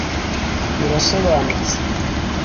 birasobanutse